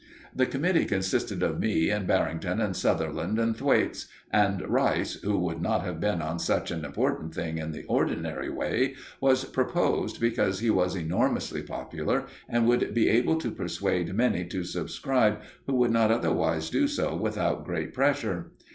The committee consisted of me and Barrington and Sutherland and Thwaites; and Rice, who would not have been on such an important thing in the ordinary way, was proposed, because he was enormously popular and would be able to persuade many to subscribe who would not otherwise do so without great pressure.